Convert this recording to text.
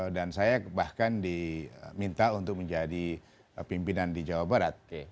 dan saya bahkan diminta untuk menjadi pimpinan di jawa barat